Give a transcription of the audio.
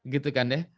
gitu kan ya